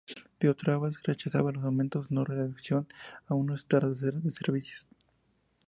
Petrobras rechazaba los aumentos o la reducción a un abastecedor de servicios.